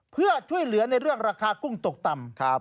เพื่อช่วยเหลือในเรื่องราคากุ้งตกต่ำ